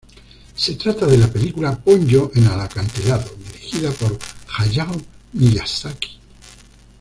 Se trata de la película "Ponyo en el acantilado", dirigida por Hayao Miyazaki.